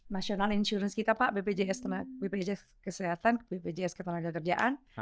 nasional insurance kita pak bpjs kesehatan bpjs ketenagakerjaan